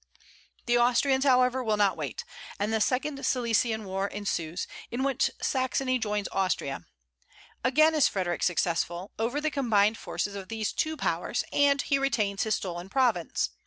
The Austrians however will not wait, and the second Silesian war ensues, in which Saxony joins Austria. Again is Frederic successful, over the combined forces of these two powers, and he retains his stolen province.